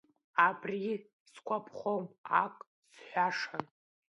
Абри сгәаԥхом, ак сҳәашан.